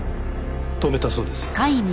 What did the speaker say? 止めたそうです。